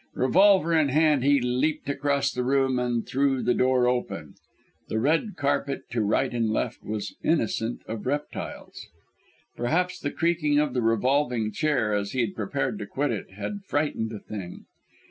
Revolver in hand, he leapt across the room, and threw the door open. The red carpet, to right and left, was innocent of reptiles! Perhaps the creaking of the revolving chair, as he had prepared to quit it, had frightened the thing.